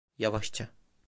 Yavaşça.